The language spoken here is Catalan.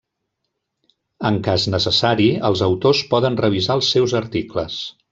En cas necessari, els autors poden revisar els seus articles.